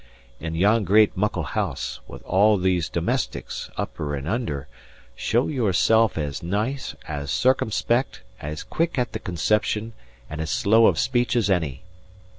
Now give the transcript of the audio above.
In yon great, muckle house, with all these domestics, upper and under, show yourself as nice, as circumspect, as quick at the conception, and as slow of speech as any.